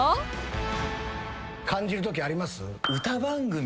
感じるときあります？